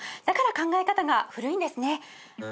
だから考え方が古いんですね。